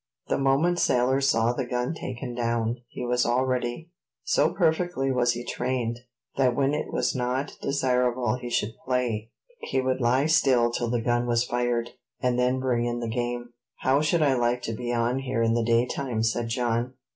The moment Sailor saw the gun taken down, he was all ready: so perfectly was he trained, that when it was not desirable he should play, he would lie still till the gun was fired, and then bring in the game. "How I should like to be on here in the daytime!" said John.